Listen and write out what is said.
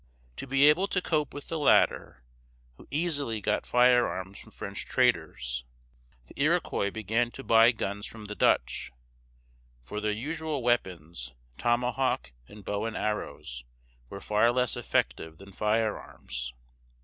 To be able to cope with the latter, who easily got firearms from French traders, the Iroquois began to buy guns from the Dutch; for their usual weapons, tomahawk and bow and arrows, were far less effective than firearms.